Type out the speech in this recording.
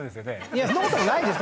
いやそんなこともないです。